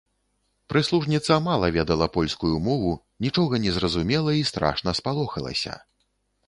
Прыслужніца мала ведала польскую мову, нічога не зразумела і страшна спалохалася.